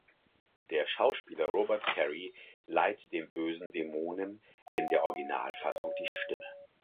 Der Schauspieler Robert Quarry leiht dem bösen Dämonen in der Originalfassung die Stimme.